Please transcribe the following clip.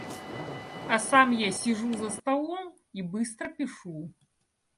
А сам я сижу за столом и быстро пишу.